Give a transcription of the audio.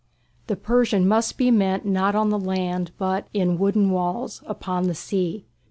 The Persian must be met not on the land, but in "wooden walls" upon the sea.